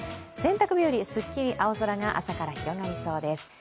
洗濯日和、すっきり青空が朝から広がりそうです。